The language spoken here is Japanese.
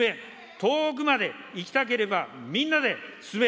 遠くまで行きたければ、みんなで進め。